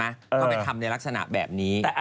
ก็ไปทำในลักษณะแบบนี้